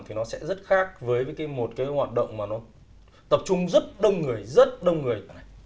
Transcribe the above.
thì nó sẽ rất khác với một cái hoạt động mà nó tập trung rất đông người rất đông người